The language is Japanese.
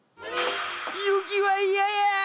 雪は嫌や！